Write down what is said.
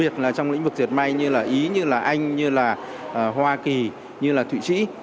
trong lĩnh vực dệt may như là ý như là anh như là hoa kỳ như là thụy trĩ